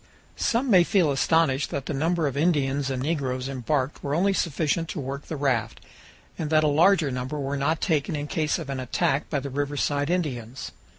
Some may feel astonished that the number of Indians and negroes embarked were only sufficient to work the raft, and that a larger number were not taken in case of an attack by the riverside Indians.